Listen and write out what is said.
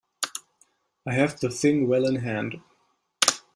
I have the thing well in hand.